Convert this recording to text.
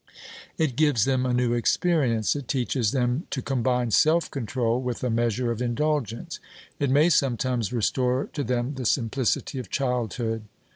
It gives them a new experience; it teaches them to combine self control with a measure of indulgence; it may sometimes restore to them the simplicity of childhood.